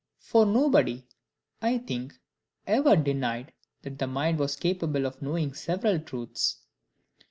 For nobody, I think, ever denied that the mind was capable of knowing several truths.